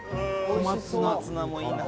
小松菜もいいな。